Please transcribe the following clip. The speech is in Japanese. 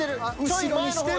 後ろにしてる！